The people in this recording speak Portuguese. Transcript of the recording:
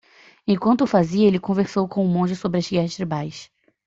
Enquanto o fazia, ele conversou com o monge sobre as guerras tribais.